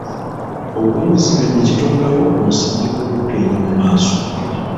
Okuwuliziganya kitondawo omusingi gw'okugenda mu maaso.